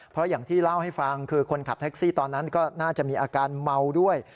เพราะอย่างที่เล่าให้ฟังคือคนขับแท็กซี่ตอนนั้นก็น่าจะมีอาการเมาด้วย